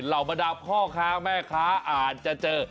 เหล่าบรรดาพ่อค้าแม่ค้าอาจจะเจอ